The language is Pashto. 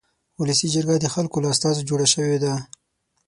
ولسي جرګه د خلکو له استازو جوړه شوې ده.